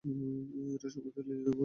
এরা সমুদ্রের লিলি নামে পরিচিত।